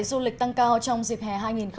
du lịch tăng cao trong dịp hè hai nghìn một mươi chín